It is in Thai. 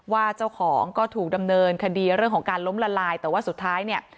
ว่าเจ้าของก็ถูกดำเนินคดีเรื่องของการล้มละลายแต่ว่าสุดท้ายเนี่ย